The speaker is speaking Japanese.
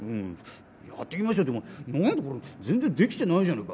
「やってきましたって何だこれ全然できてないじゃないか」